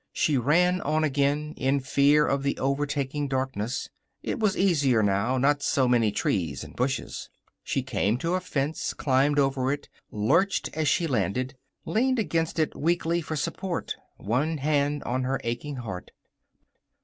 She ran on again, in fear of the overtaking darkness. It was easier now. Not so many trees and bushes. She came to a fence, climbed over it, lurched as she landed, leaned against it weakly for support, one hand on her aching heart.